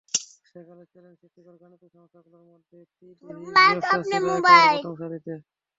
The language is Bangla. সেকালের চ্যালেঞ্জ সৃষ্টিকর গাণিতিক সমস্যাগুলোর মধ্যে ত্রি-দেহী সমস্যা ছিল একেবারে প্রথম সারিতে।